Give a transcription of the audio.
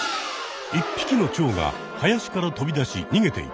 １ぴきのチョウが林からとび出しにげていった。